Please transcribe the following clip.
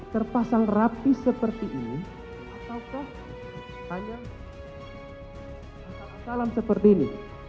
terpasang rapi seperti ini ataukah hanya masalah salam seperti ini